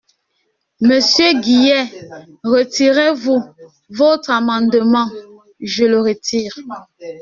Monsieur Guillet, retirez-vous votre amendement ? Je le retire.